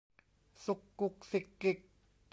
ซุกกุ๊กซิกกิ๊ก